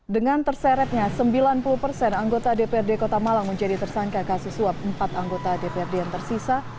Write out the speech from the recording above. dengan terseretnya sembilan puluh persen anggota dprd kota malang menjadi tersangka kasus suap empat anggota dprd yang tersisa